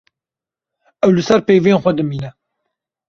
Ew li ser peyvên xwe dimîne.